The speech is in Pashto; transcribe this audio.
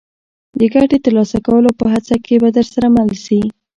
د ګټې ترلاسه کولو په هڅه کې به درسره مل شي.